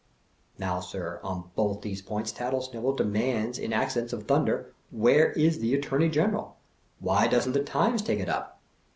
Now, sir, on both these points Tattlesnivel demands in accents of Thunder, Where is the Attorney General? Why doesn't The Times take it up?